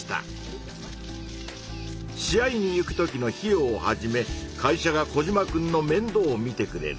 試合に行くときの費用をはじめ会社がコジマくんのめんどうをみてくれる。